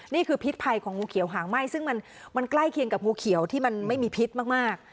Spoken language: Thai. พิษภัยของงูเขียวหางไหม้ซึ่งมันใกล้เคียงกับงูเขียวที่มันไม่มีพิษมาก